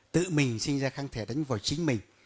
tự mình sinh ra kháng thể đánh vào chính mình